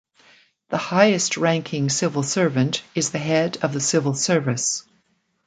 The highest ranking civil servant is the head of the civil service.